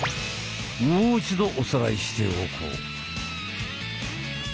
もう一度おさらいしておこう。